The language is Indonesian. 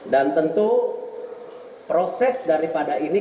dan tentu proses daripada ini